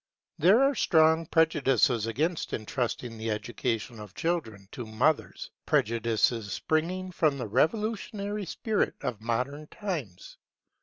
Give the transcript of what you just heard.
There are strong prejudices against entrusting the education of children to mothers: prejudices springing from the revolutionary spirit of modern times.